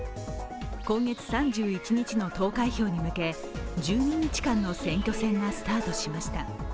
今月３１日の投開票に向け１２日間の選挙戦がスタートしました。